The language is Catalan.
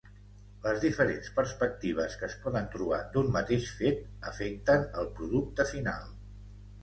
Les diferents perspectives que es poden trobar d'un mateix fet afecten el producte final.